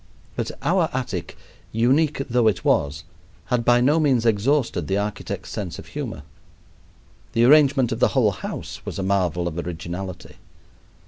But our attic, unique though it was, had by no means exhausted the architect's sense of humor. The arrangement of the whole house was a marvel of originality.